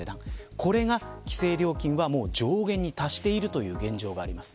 これが規制料金は上限に達しているという現状があります。